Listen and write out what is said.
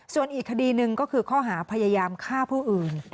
ส่วนอีกคดีหนึ่งก็คือข้อหาพยายามฆ่าผู้อื่น